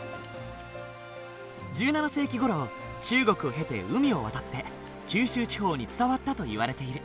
１７世紀ごろ中国を経て海を渡って九州地方に伝わったといわれている。